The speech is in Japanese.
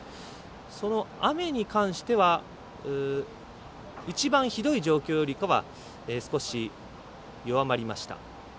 その雨に関しては一番ひどい状況よりかは少し弱まりました。